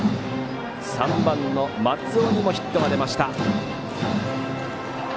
３番、松尾にもヒットが出ました。